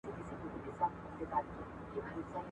شمع چي لمبه نه سي رڼا نه وي `